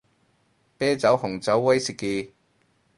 啤酒紅酒威士忌